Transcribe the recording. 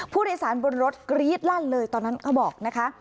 ผู้โดยสารบนรถกรี๊ดลั่นเลยตอนนั้นเขาบอกนะคะ